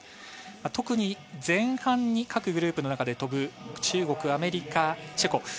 特に前半に各グループの中で飛ぶ中国、アメリカ、チェコ。